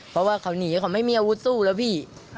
เพราะว่าเขาหนีเขาไม่มีอาวุธสู้แล้วพี่